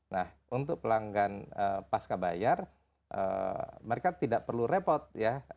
nah untuk pelanggan pasca bayar mereka tidak perlu repot ya